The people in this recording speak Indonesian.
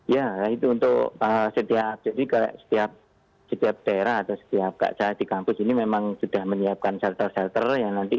ya itu untuk setiap daerah atau setiap kakak di kampus ini memang sudah menyiapkan shelter shelter